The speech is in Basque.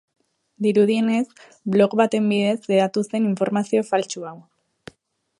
Dirudienez, blog baten bidez hedatu zen informazio faltsu hau.